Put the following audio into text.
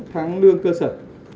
tháng lương cơ sở